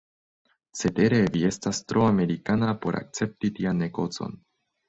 Cetere, vi estas tro Amerikana por akcepti tian negocon.